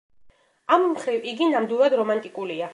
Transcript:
ამ მხრივ იგი ნამდვილად რომანტიკულია.